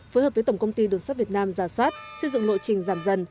phối hợp với tổng công ty đường sắt việt nam giả soát xây dựng lộ trình giảm dần